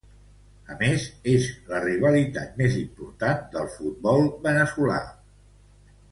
A més, és la rivalitat més important del futbol veneçolà.